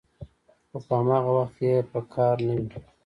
خو په هماغه وخت کې یې په کار نه وي